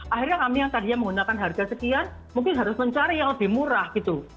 akhirnya kami yang tadinya menggunakan harga sekian mungkin harus mencari yang lebih murah gitu